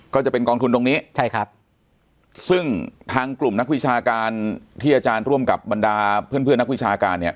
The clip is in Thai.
ก็จะเป็นกองทุนตรงนี้ใช่ครับซึ่งทางกลุ่มนักวิชาการที่อาจารย์ร่วมกับบรรดาเพื่อนเพื่อนนักวิชาการเนี่ย